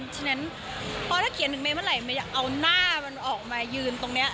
เพราะถ้าเขียนหนึ่งเมเมื่อไหร่มันจะเอาหน้ามันออกมายืนตรงนี้